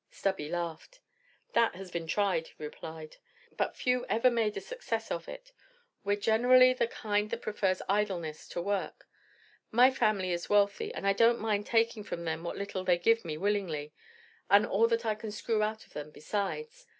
Stubby laughed. "That has been tried," he replied; "but few ever made a success of it. We're generally the kind that prefers idleness to work. My family is wealthy, and I don't mind taking from them what little they give me willingly and all that I can screw out of them besides.